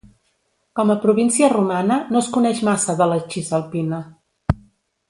Com a província romana no es coneix massa de la Cisalpina.